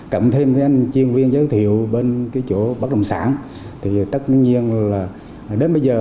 cộng thêm với anh chuyên viên giới thiệu bên cái chỗ bất đồng sản thì tất nhiên là đến bây giờ thì mới vỡ lẻ ra là tất nhiên là bất đồng sản